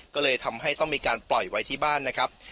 ก็เลยทำให้ต้องมีการปล่อยไว้ที่บ้านนะครับ